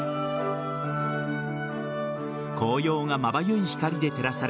紅葉がまばゆい光で照らされ